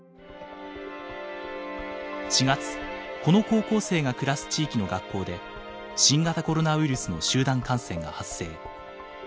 ４月この高校生が暮らす地域の学校で新型コロナウイルスの集団感染が発生。